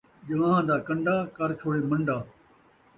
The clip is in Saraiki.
ڄوان٘ہہ دا کن٘ڈا ، کر چھوڑے من٘ڈا